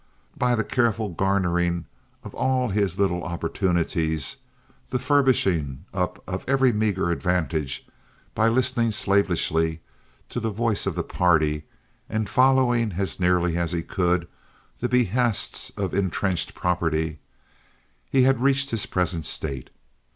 By the careful garnering of all his little opportunities, the furbishing up of every meager advantage; by listening slavishly to the voice of party, and following as nearly as he could the behests of intrenched property, he had reached his present state.